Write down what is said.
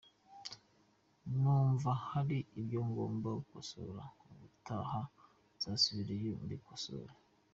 Ni numva hari ibyo ngomba gukosora ubutaha nzasubireyo mbikosora.